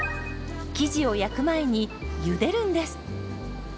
生地を焼く前にゆでるんです。